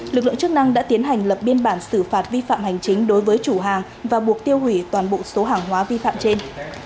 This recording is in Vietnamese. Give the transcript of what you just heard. lực lượng chức năng đã tiến hành lập biên bản xử phạt vi phạm hành chính đối với chủ hàng và buộc tiêu hủy toàn bộ số hàng hóa vi phạm trên